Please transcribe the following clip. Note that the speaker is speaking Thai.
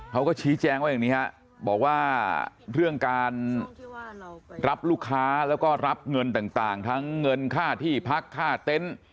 เขาก็ชี้แจงว่าอย่างนี้ฮะบอกว่าเรื่องการรับลูกค้าแล้วก็รับเงินต่างทั้งเงินค่าที่พักค่าเต็นต์